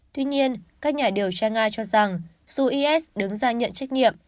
tuy nhiên các nhà điều tra nga cho rằng dù is đứng ra nhận trách nhiệm